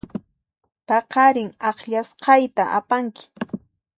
Paqarin akllasqayta apanki.